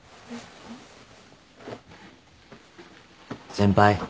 先輩。